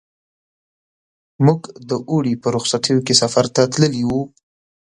موږ د اوړي په رخصتیو کې سفر ته تللي وو.